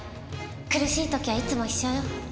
苦しい時はいつも一緒よ。